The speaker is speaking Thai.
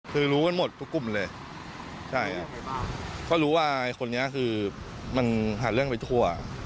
คือรู้กันหมดทุกกลุ่มเลยใช่เพราะรู้ว่าไอ้คนนี้คือมันหาเรื่องไปทั่ว